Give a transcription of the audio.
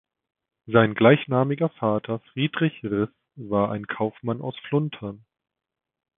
Sein gleichnamiger Vater Friedrich Ris war ein Kaufmann aus Fluntern.